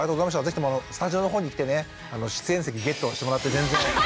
ぜひともスタジオのほうに来てね出演席ゲットしてもらって全然。